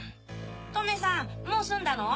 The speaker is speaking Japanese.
トメさんもう済んだの？